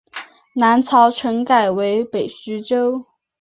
南朝陈改为北徐州。